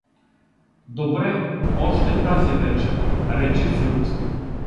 — Добре, още тази вечер — рече Фют.